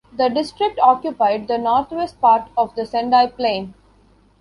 The district occupied the northwest part of the Sendai Plain.